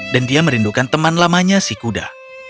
dan dia merindukan teman lamanya si kuda